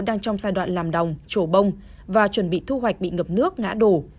đang trong giai đoạn làm đồng trổ bông và chuẩn bị thu hoạch bị ngập nước ngã đổ